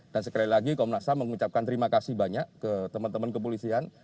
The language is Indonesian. dan sekali lagi komnas ham mengucapkan terima kasih banyak ke teman teman kepolisian